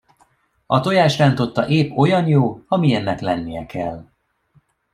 A tojásrántotta épp olyan jó, amilyennek lennie kell.